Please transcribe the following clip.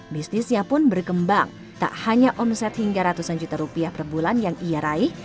bisnisnya pun berkembang tak hanya omset hingga ratusan juta rupiah per bulan yang ia raih